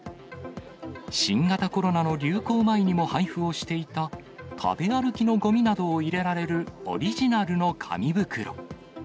新型コロナの流行前にも配布をしていた、食べ歩きのごみなどを入れられるオリジナルの紙袋。